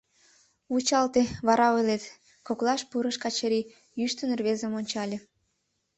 — Вучалте, вара ойлет, — коклаш пурыш Качырий, йӱштын рвезым ончале.